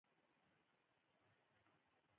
آیا کاناډا د اوبو له پلوه بډایه نه ده؟